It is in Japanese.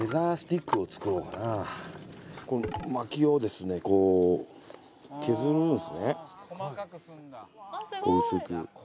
この薪をですねこう削るんですね薄く。